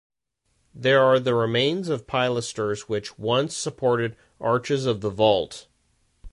There are the remains of pilasters which once supported arches of the vault.